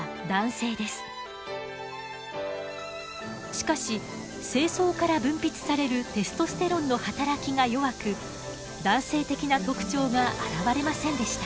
しかし精巣から分泌されるテストステロンの働きが弱く男性的な特徴が現れませんでした。